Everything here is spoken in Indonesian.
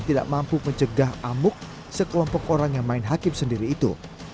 tidak mampu mencegah amuk sekelompok orang yang main hakim sendiri itu